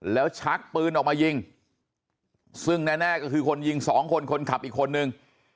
แล้วชักปืนออกมายิงซึ่งแน่ก็คือคนยิงสองคนคนขับอีกคนนึง